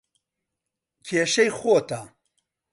کێشەی خۆتە.